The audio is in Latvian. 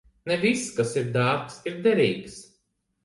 Ne viss, kas ir dārgs, ir derīgs.